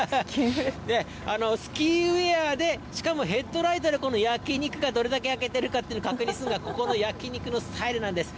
スキーウエアで、しかもヘッドライトでこの焼き肉がどれだけ焼けてるかというのを確認するのは、ここの焼き肉のスタイルなんです。